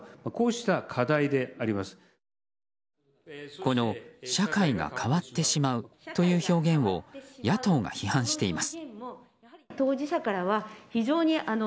この、社会が変わってしまうという表現を野党が批判しています。